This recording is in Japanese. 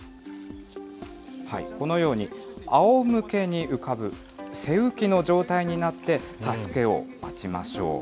このように、あおむけに浮かぶ、背浮きの状態になって、助けを待ちましょう。